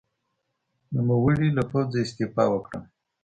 نوموړي له پوځه استعفا وکړه.